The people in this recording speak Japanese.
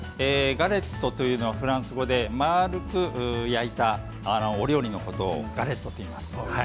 ガレットというのはフランス語で丸く焼いたお料理のことをガレットといいます。